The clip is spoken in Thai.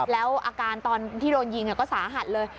แล้วอาการตอนที่โดนยิงก็สาหัสเลย